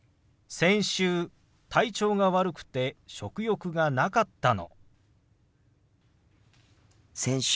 先週体調が悪くて食欲がなかったの。